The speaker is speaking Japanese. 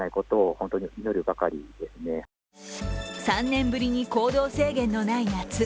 ３年ぶりに行動制限ない夏。